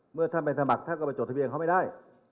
เมื่อท่านไปสมัครท่านก็ไปจดทะเบียนเขาไม่ได้